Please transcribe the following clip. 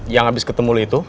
yang abis ketemu lo itu